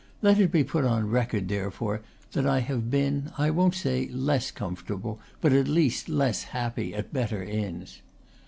Let it be put on re cord, therefore, that I have been, I won't say less com fortable, but at least less happy, at better inns.